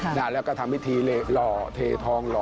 ครับแล้วก็ทำวิธีเร่งลอเททองลอ